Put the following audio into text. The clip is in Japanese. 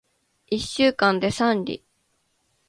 一週間で三里